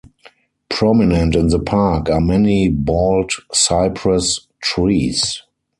Prominent in the park are many bald cypress trees.